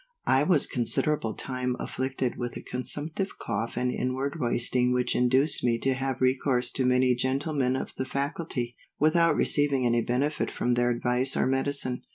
_ I was a considerable time afflicted with a consumptive cough and inward wasting which induced me to have recourse to many gentlemen of the faculty, without receiving any benefit from their advice or medicine.